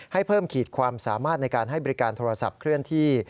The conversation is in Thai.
ให้เพิ่มขีดความสามารถในการให้บริการโทรศัพท์เคลื่อนที่